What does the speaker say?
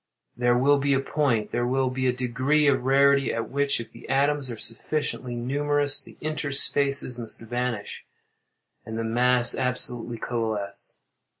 There will be a point—there will be a degree of rarity, at which, if the atoms are sufficiently numerous, the interspaces must vanish, and the mass absolutely coalesce.